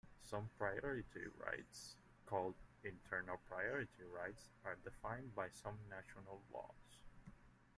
Some priority rights, called "internal priority rights", are defined by some national laws.